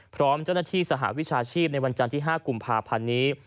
พร้อมเจ้าหน้าที่สหวิชาชีพในวันจันทร์ที่๕กุมภาพันธ์นี้